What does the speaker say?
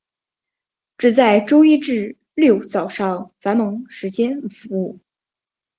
只在周一至六早上繁忙时间服务。